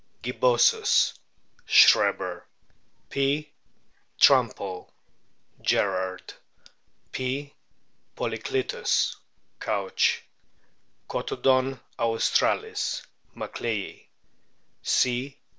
gibbosus, Schreber ; P. trumpo, Gerard ; P. polyclystiis, Couch ; Catodon aiistralis, MacLeay ; C.